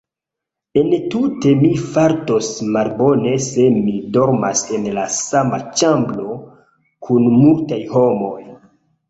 Entute mi fartos malbone se mi dormas en la sama ĉambro kun multaj homoj.